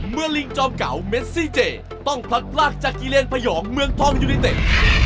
ลิงจอมเก่าเมซี่เจต้องผลัดพลากจากกิเลนพยองเมืองทองยูนิเต็ด